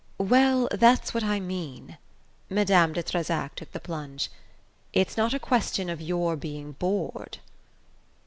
"Well, that's what I mean " Madame de Trezac took the plunge. "It's not a question of your being bored."